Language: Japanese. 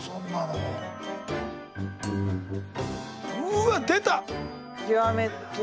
うわ出た。